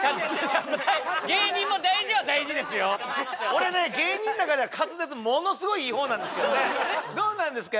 俺ね芸人の中では滑舌ものすごいいい方なんですけどねどうなんですか？